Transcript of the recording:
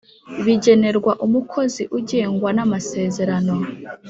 bigenerwa umukozi ugengwa na masezerano